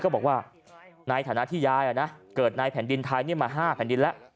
ก็บอกว่าในฐานะที่ยายเกิดในแผ่นดินไทยมา๕แผ่นดินแล้ว